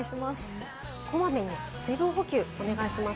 こまめに水分補給をお願いします。